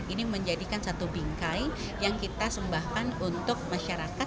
ini menjadikan satu bingkai yang kita sembahkan untuk masyarakat